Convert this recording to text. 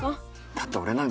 だって俺なんか。